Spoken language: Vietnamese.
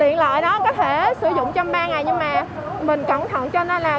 tiện lợi đó có thể sử dụng trong ba ngày nhưng mà mình cẩn thận cho nên là